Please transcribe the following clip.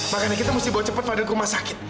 makanya kita mesti bawa cepat fadil ke rumah sakit